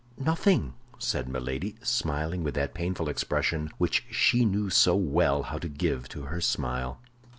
Nothing," said Milady, smiling with that painful expression which she knew so well how to give to her smile.